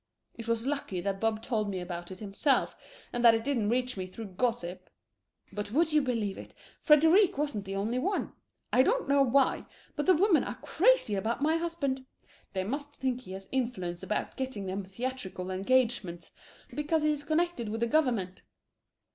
] It was lucky that Bob told me about it himself and that it didn't reach me through gossip. But would you believe it, Frêdêrique wasn't the only one! I don't know why, but the women are crazy about my husband. They must think he has influence about getting them theatrical engagements, because he is connected with the government.